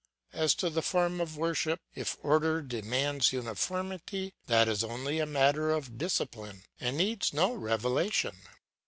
As to the form of worship, if order demands uniformity, that is only a matter of discipline and needs no revelation.